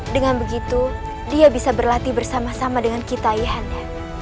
dengan begitu dia bisa berlatih bersama sama dengan kita yahannya